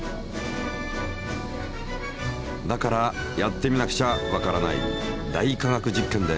だからやってみなくちゃわからない「大科学実験」で。